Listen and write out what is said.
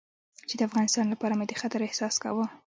چې د افغانستان لپاره مې د خطر احساس کاوه.